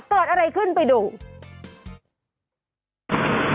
เกิดอะไรขึ้นไปดู